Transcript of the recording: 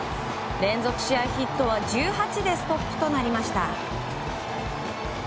連続試合ヒットは１８でストップとなりました。